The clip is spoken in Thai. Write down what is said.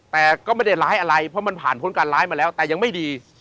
แต่ก็ไม่ได้ร้ายอะไรเพราะมันผ่านพ้นการร้ายมาแล้วแต่ยังไม่ดี